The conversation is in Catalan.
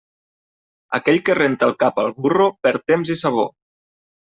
Aquell que renta el cap al burro perd temps i sabó.